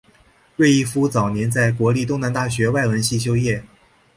芮逸夫早年在国立东南大学外文系修业。